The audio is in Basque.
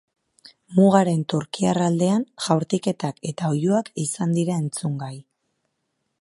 Mugaren turkiar aldean, jaurtiketak eta oihuak izan dira entzungai.